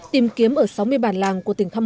tìm kiếm ở sáu mươi bản làng